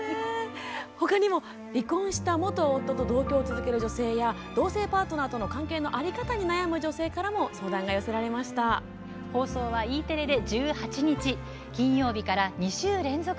ほかにも、離婚した元夫と同居を続ける女性や同性パートナーとの関係の在り方に悩む女性からも放送は、Ｅテレで１８日金曜日から２週連続。